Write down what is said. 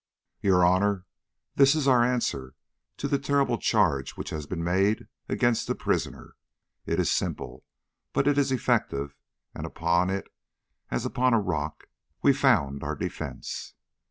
"Your Honor, this is our answer to the terrible charge which has been made against the prisoner; it is simple, but it is effective, and upon it, as upon a rock, we found our defence."